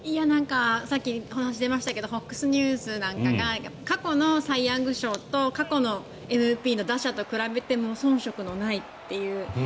さっきお話が出ましたけどＦＯＸニュースなんかが過去のサイ・ヤング賞とか過去のＭＶＰの打者と比べてもそん色のないという。